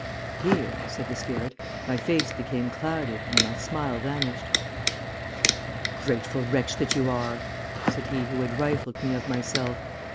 "Here," said the spirit, "my face became clouded and my smile vanished. "'Ungrateful wretch that you are!' said he who had rifled me of myself.